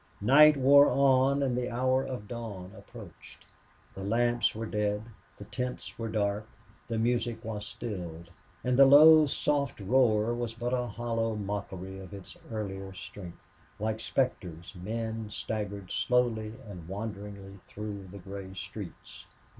Night wore on and the hour of dawn approached. The lamps were dead; the tents were dark; the music was stilled; and the low, soft roar was but a hollow mockery of its earlier strength. Like specters men staggered slowly and wanderingly through the gray streets.